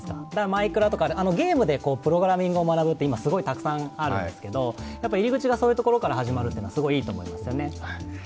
「マイクラ」とかゲームでプログラミングを学ぶって、今すごくたくさんあるんですけど、入り口がそういうところから始まるのは、すごいいいと思います。